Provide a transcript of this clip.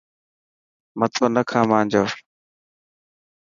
مٿو نا کا مانجو.